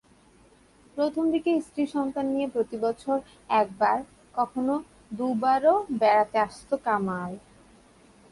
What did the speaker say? প্রথম দিকে স্ত্রী-সন্তান নিয়ে প্রতিবছর একবার, কখনো দুবারও বেড়াতে আসত কামাল।